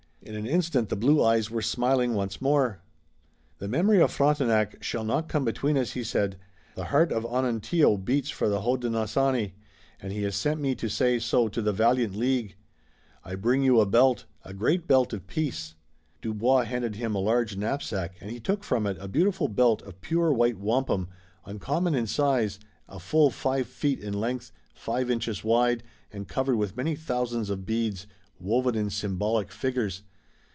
In an instant the blue eyes were smiling once more. "The memory of Frontenac shall not come between us," he said. "The heart of Onontio beats for the Hodenosaunee, and he has sent me to say so to the valiant League. I bring you a belt, a great belt of peace." Dubois handed him a large knapsack and he took from it a beautiful belt of pure white wampum, uncommon in size, a full five feet in length, five inches wide, and covered with many thousands of beads, woven in symbolic figures.